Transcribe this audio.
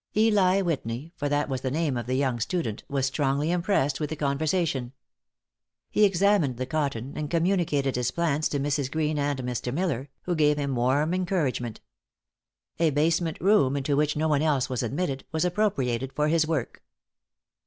Eli Whitney, for that was the name of the young student, was strongly impressed with the conversation. He examined the cotton, and communicated his plans to Mrs. Greene and Mr. Miller, who gave him warm encouragement. A basement room, into which no one else was admitted, was appropriated for his work.